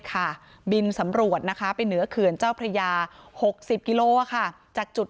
บินสำรวจนะคะไปเหนือเขื่อนเจ้าพระยา๖๐กิโลจากจุด